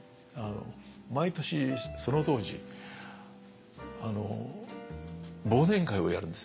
毎年その当時忘年会をやるんですね。